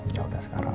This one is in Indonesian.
ya udah sekarang